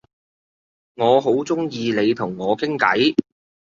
我好鍾意你同我傾偈